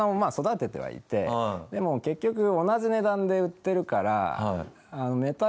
でも結局同じ値段で売ってるから。